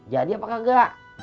jadi apa kagak